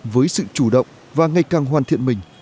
với sự chủ động và ngày càng hoàn thiện mình